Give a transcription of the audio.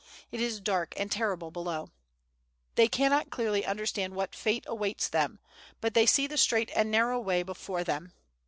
It is dark and terrible below. They cannot clearly understand what fate awaits them, but they see the strait and narrow way before them.